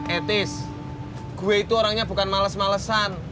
etis gue itu orangnya bukan males malesan